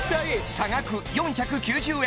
差額４９０円